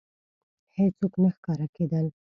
هېڅوک نه ښکاره کېدل.